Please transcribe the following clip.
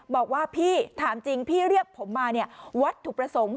บอกว่าพี่ถามจริงพี่เรียกผมมาเนี่ยวัตถุประสงค์